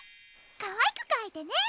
かわいくかいてね。